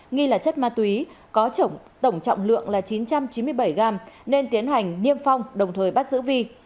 nghi là chất ma túy có tổng trọng lượng là chín trăm chín mươi bảy gram nên tiến hành niêm phong đồng thời bắt giữ vi